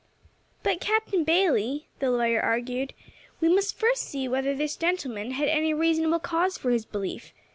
"But, Captain Bayley," the lawyer urged, "we must first see whether this gentleman had any reasonable cause for his belief.